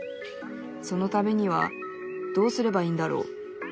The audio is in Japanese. そのためにはどうすればいいんだろう。